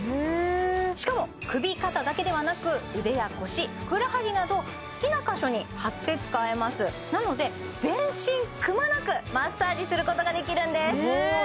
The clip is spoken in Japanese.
しかも首肩だけではなく腕や腰ふくらはぎなど好きな箇所に貼って使えますなので全身くまなくマッサージすることができるんですへすごい！